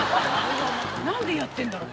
何でやってんだろう？